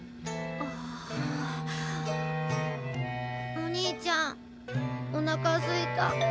お兄ちゃんおなかすいた。